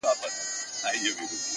زما د زړه په هغه شين اسمان كي.